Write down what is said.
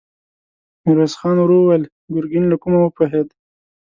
ميرويس خان ورو وويل: ګرګين له کومه وپوهېد؟